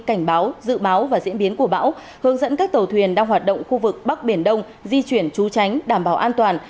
cảnh báo dự báo và diễn biến của bão hướng dẫn các tàu thuyền đang hoạt động khu vực bắc biển đông di chuyển trú tránh đảm bảo an toàn